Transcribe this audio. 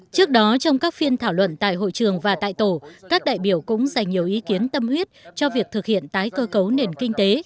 trước đó trong các phiên thảo luận tại hội trường và tại tổ các đại biểu cũng dành nhiều ý kiến tâm huyết cho việc thực hiện tái cơ cấu nền kinh tế